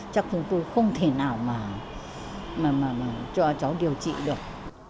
chắc chúng tôi không thể nào mà cho cháu điều trị được